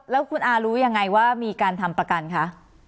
แล้วคุณอารู้ยังไงว่ามีการทำประกันคะ